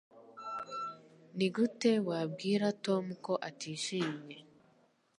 Nigute wabwira Tom ko atishimye